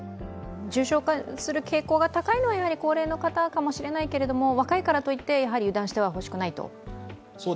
重症化する傾向が高いのは、高齢の方かもしれないけど若いからといって油断はしてほしくないと。